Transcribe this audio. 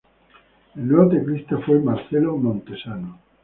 El nuevo teclista fue Marcelo Montesano.